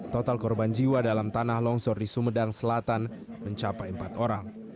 total korban jiwa dalam tanah longsor di sumedang selatan mencapai empat orang